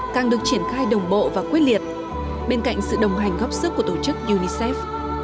càng được triển khai đồng bộ và quyết liệt bên cạnh sự đồng hành góp sức của tổ chức unicef